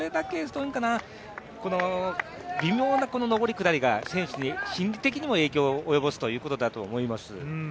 それだけ微妙な上り下りが、選手たちの心理的にも影響を及ぼすということだと思います。